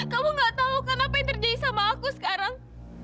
kamu enggak tahu kan apa yang terjadi sama aku sekarang